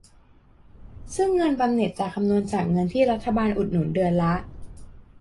ซึ่งเงินบำเหน็จจะคำนวณจากเงินที่รัฐบาลอุดหนุนเดือนละ